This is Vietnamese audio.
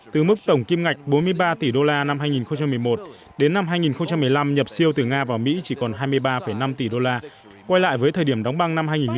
từ mức tổng kim ngạch bốn mươi ba tỷ đô la năm hai nghìn một mươi một đến năm hai nghìn một mươi năm nhập siêu từ nga vào mỹ chỉ còn hai mươi ba năm tỷ đô la quay lại với thời điểm đóng băng năm hai nghìn một mươi bảy